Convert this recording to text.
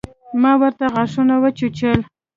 ما ورته غاښونه وچيچل.